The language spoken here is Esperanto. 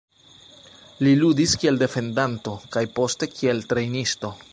Li ludis kiel defendanto kaj poste kiel trejnisto.